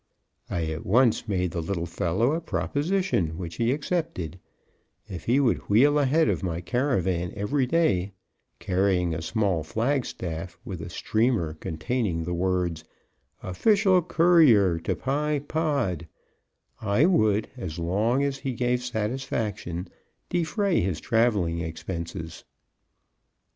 I at once made the little fellow a proposition, which he accepted; if he would wheel ahead of my caravan every day, carrying a small flagstaff with a streamer containing the words, "Official Courier to Pye Pod," I would, as long as he gave satisfaction, defray his traveling expenses.